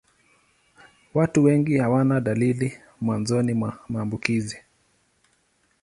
Watu wengi hawana dalili mwanzoni mwa maambukizi.